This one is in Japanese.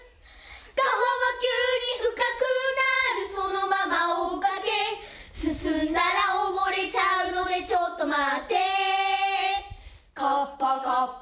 川は急に深くなるそのまま追っかけ進んだらおぼれちゃうのでちょっと待って！